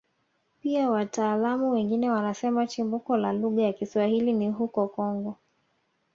Pia wataalamu wengine wanasema chimbuko la lugha ya Kiswahili ni huko Kongo